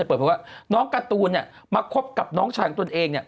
เปิดเผยว่าน้องการ์ตูนมาคบกับน้องชายของตนเอง